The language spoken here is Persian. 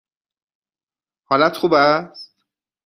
حالت خوب است؟